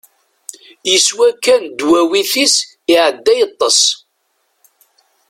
Yeswa kan ddwawit-is, iɛedda yeṭṭes.